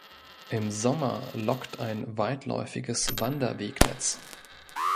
Im Sommer lockt ein weitläufiges Wanderwegnetz.